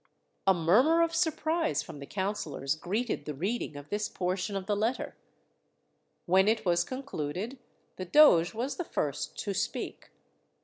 A murmur of surprise from the councillors greeted the reading of this portion of the letter. When it was concluded, the doge was the first to speak.